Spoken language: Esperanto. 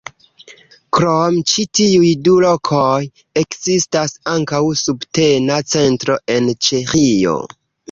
Krom ĉi tiuj du lokoj, ekzistas ankaŭ subtena centro en Ĉeĥio.